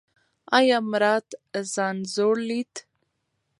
ایا مراد ځان زوړ لید؟